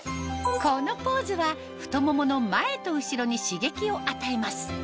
このポーズは太ももの前と後ろに刺激を与えます